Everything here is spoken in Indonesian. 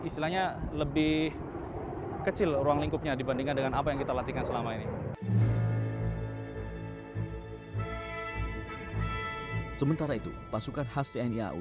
sementara itu pasukan hstn iau